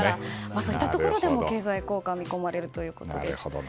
そういったところでも経済効果が見込まれるということです。